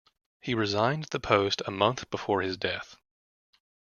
He resigned the post a month before his death.